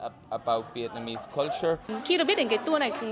khi được biết đến cái tour này tôi cũng rất vui